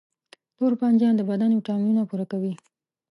توربانجان د بدن ویټامینونه پوره کوي.